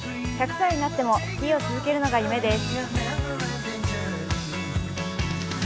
１００歳になってもスキーを続けるのが夢です。